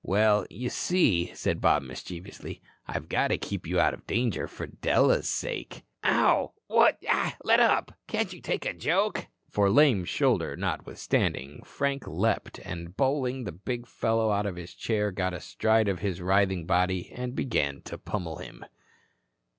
"Well, you see," said Bob mischievously, "I've got to keep you out of danger for Della's sake. Ouch! Wow! Letup. Can't you take a joke." For, lame shoulder notwithstanding, Frank leaped and, bowling the big fellow out of his chair, got astride of his writhing body and began to pummel him.